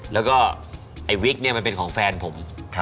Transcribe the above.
แล้วก็ไอ้วิกเนี่ยมันเป็นของแฟนผม